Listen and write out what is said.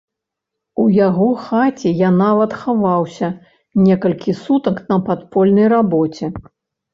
У яго хаце я нават хаваўся некалькі сутак на падпольнай рабоце.